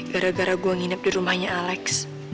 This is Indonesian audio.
gara gara gue nginep di rumahnya alex